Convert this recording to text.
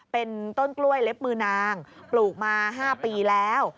เป็นต้นกล้วยเล็บมือนางปลูกมา๕ปีแล้ว